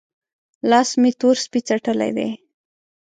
لاس مې تور سپۍ څټلی دی؟